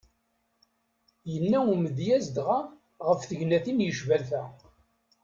Yenna umedyaz dɣa ɣef tegnatin yecban ta.